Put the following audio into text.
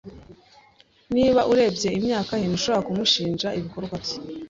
Niba urebye imyaka ye, ntushobora kumushinja ibikorwa bye.